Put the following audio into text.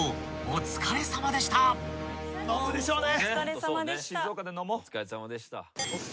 飲むでしょうね。